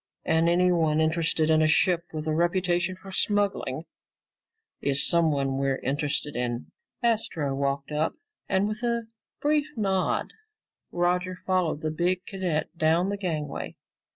And anyone interested in a ship with a reputation for smuggling is someone we're interested in." Astro walked up, and with a brief nod Roger followed the big cadet down the gangway.